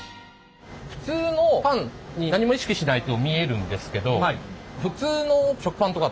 普通のパンに何も意識しないと見えるんですけど